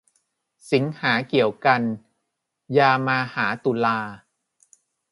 สิงหาเกี่ยวกันยามาหาตุลา